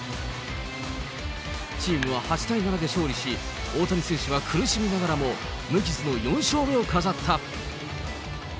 チームは８対７で勝利し、大谷選手は苦しみながらも無傷の４勝目を飾った。